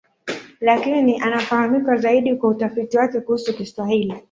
Lakini anafahamika zaidi kwa utafiti wake kuhusu Kiswahili.